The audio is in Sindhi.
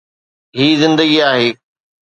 هي زندگي آهي.